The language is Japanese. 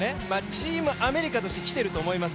チームアメリカとしてきていると思います。